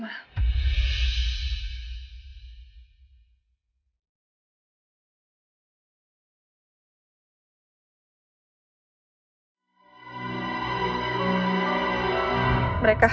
mereka harus berhati hati